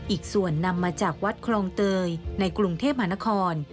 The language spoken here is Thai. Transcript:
อีกส่วนนำมาจากวัดคลองเตยในกรุงเทพมหานคร